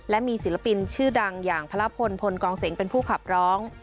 และมีศิลปินชื่อดังอย่างพระละพลพลกองเสียงเป็นผู้ขับร้อง